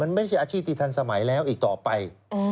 มันไม่ใช่อาชีพที่ทันสมัยแล้วอีกต่อไป